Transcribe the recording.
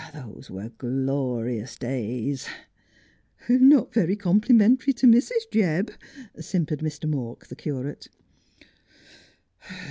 Ah, those were glorious days.' ' Not very complimentary to Mrs. Jebb,' simpered Mr. Mawk, the curate.